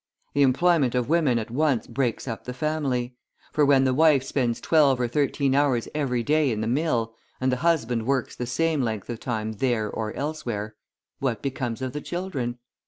The employment of women at once breaks up the family; for when the wife spends twelve or thirteen hours every day in the mill, and the husband works the same length of time there or elsewhere, what becomes of the children?